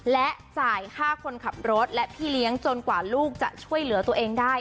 และจ่ายค่าคนขับรถและพี่เลี้ยงจนกว่าลูกจะช่วยเหลือตัวเองได้